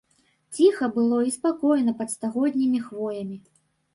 Ціха было і спакойна пад стагоднімі хвоямі.